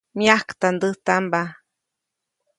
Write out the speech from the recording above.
Myajktandäjtamba.